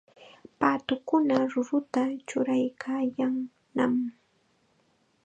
Paatukuna ruruta churaykaayannam.